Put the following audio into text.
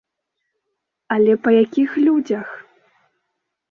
Але па якіх людзях?